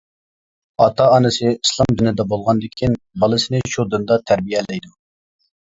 -ئاتا-ئانىسى ئىسلام دىندا بولغاندىكىن، بالىسىنى شۇ دىندا تەربىيەلەيدۇ.